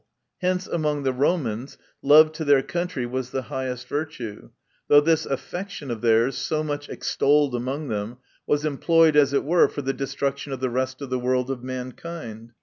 Hence among the Romans love to their country was the highest virtue ; though this affection of theirs, so much extolled among them, was employed as it were for the destruction of the rest of the world of mankind.